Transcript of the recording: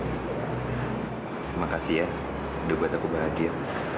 terima kasih ya udah buat aku bahagia